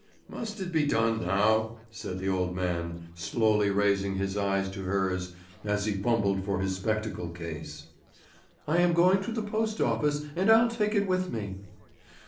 "Must it be done now?" said the old man, slowly raising his eyes to hers as he fumbled for his spectacle case. "I am going to the post office, and I'll take it with me."